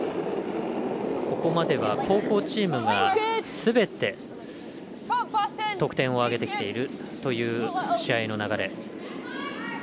ここまでは後攻チームがすべて得点を挙げてきているという試合の流れ。